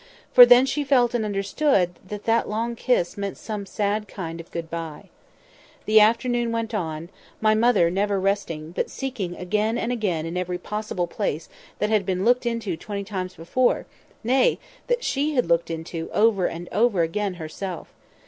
for then she felt and understood that that long kiss meant some sad kind of 'good bye.' The afternoon went on—my mother never resting, but seeking again and again in every possible place that had been looked into twenty times before, nay, that she had looked into over and over again herself.